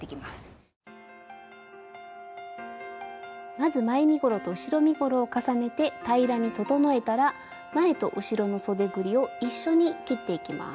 まず前身ごろと後ろ身ごろを重ねて平らに整えたら前と後ろのそでぐりを一緒に切っていきます。